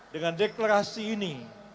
dengan deklarasi ini